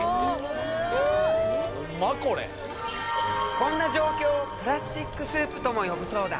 こんな状況をプラスチックスープとも呼ぶそうだ。